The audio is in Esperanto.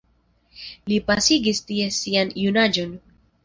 Li pasigis tie sian junaĝon.